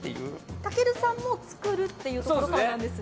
たけるさんも作るっていうことなんですね。